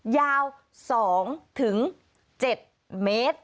ยาว๒๗เมตร